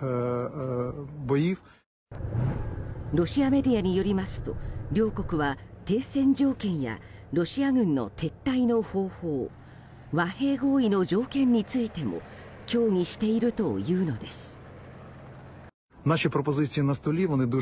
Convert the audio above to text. ロシアメディアによりますと両国は停戦条件やロシア軍の撤退の方法和平合意の条件についても協議しているというのです。